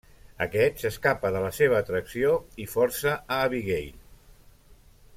Aquest s'escapa de la seva atracció i força a Abigail.